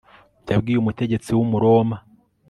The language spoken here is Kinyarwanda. yabwiye umutegetsi w umuroma